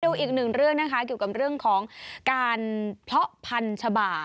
อีกหนึ่งเรื่องนะคะเกี่ยวกับเรื่องของการเพาะพันชาบ่า